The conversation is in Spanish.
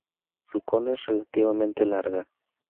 Su cola es relativamente larga.